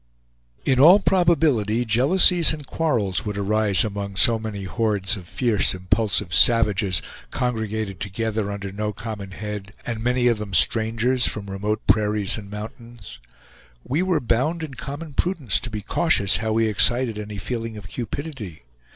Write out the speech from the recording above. In all probability jealousies and quarrels would arise among so many hordes of fierce impulsive savages, congregated together under no common head, and many of them strangers, from remote prairies and mountains. We were bound in common prudence to be cautious how we excited any feeling of cupidity.